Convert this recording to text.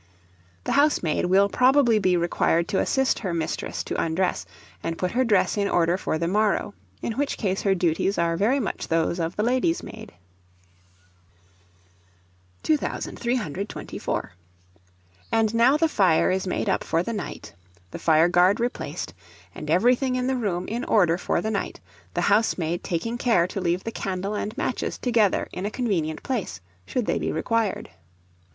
The housemaid will probably be required to assist her mistress to undress and put her dress in order for the morrow; in which case her duties are very much those of the lady's maid. 2324. And now the fire is made up for the night, the fireguard replaced, and everything in the room in order for the night, the housemaid taking care to leave the night candle and matches together in a convenient place, should they be required.